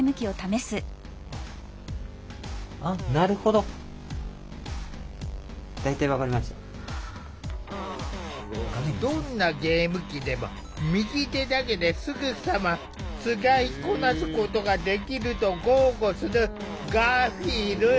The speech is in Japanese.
どんなゲーム機でも右手だけですぐさま使いこなすことができると豪語するガーフィール。